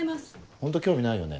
ホント興味ないよね。